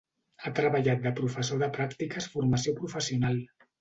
Ha treballat de professor de pràctiques Formació Professional.